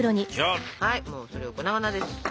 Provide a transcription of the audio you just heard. はいもうそれを粉々です。